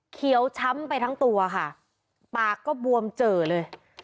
เขียวช้ำไปทั้งตัวค่ะปากก็บวมเจอเลย